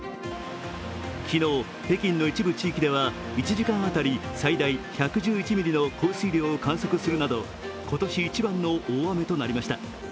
昨日、北京の一部地域では１時間当たり最大１１１ミリの降水量を観測するなど今年一番の大雨となりました。